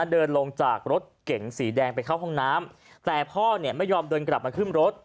เดินลงจากรถเก๋งสีแดงไปเข้าห้องน้ำแต่พ่อเนี่ยไม่ยอมเดินกลับมาขึ้นรถ